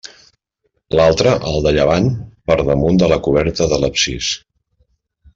L'altre, al de llevant, per damunt de la coberta de l'absis.